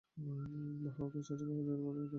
বাহ, ও তো চার্চের পুরোহিতদের মতো প্রার্থনা করতে পারে!